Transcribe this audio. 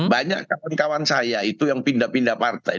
banyak kawan kawan saya itu yang pindah pindah partai